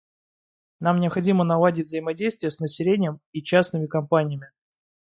Нам необходимо наладить взаимодействие с населением и частными компаниями.